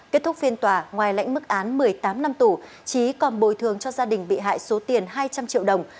kết thúc phiên tòa ngoài lãnh mức án một mươi tám năm tù trí còn bồi thường cho gia đình bị hại số tiền hai trăm linh triệu đồng